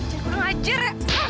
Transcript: ajar kurang ajar